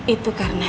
itu karena el